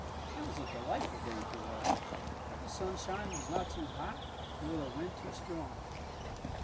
It was a delightful day to walk. The sunshine was not too hot, nor the wind too strong.